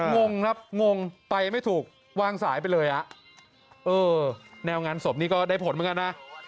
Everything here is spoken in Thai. งงครับงงไปไม่ถูกวางสายไปเลยอ่ะเออแนวงานศพนี้ก็ได้ผลเหมือนกันนะ